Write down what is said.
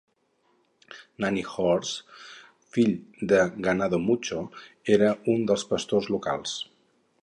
Many Horses, fill de Ganado Mucho, era un dels pastors locals.